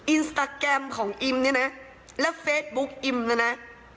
อินสตาแกรมของอิมเนี่ยนะและเฟซบุ๊คอิมนะนะ